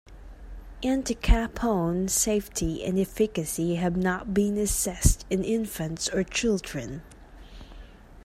Entacapone safety and efficacy have not been assessed in infants or children.